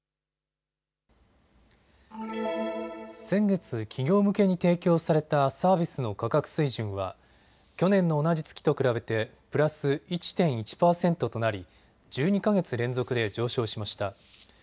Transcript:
先月、企業向けに提供されたサービスの価格水準は去年の同じ月と比べてプラス１．１％となり１２か月連続で上昇しました。